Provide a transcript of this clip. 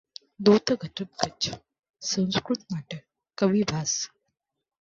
दूतघटोत्कच संस्कृत नाटक कवी भास